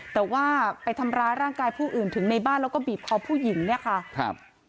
แต่ว่าไปทำร้ายร่างกายผู้อื่นถึงในบ้านแล้วก็บีบคอผู้หญิงเนี่ยค่ะครับ